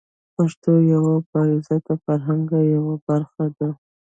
پښتو د یوه با عزته فرهنګ یوه برخه ده.